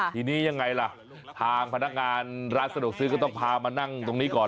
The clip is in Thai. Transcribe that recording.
ทีนี้ยังไงล่ะทางพนักงานร้านสะดวกซื้อก็ต้องพามานั่งตรงนี้ก่อน